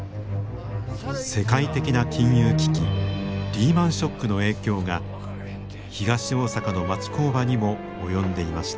世界的な金融危機リーマンショックの影響が東大阪の町工場にも及んでいました。